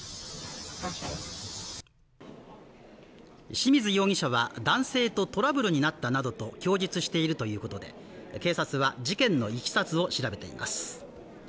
清水容疑者は男性とトラブルになったなどと供述しているということで警察は事件の経緯を調べています